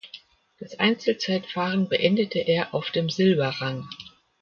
Das Einzelzeitfahren beendete er auf dem Silberrang.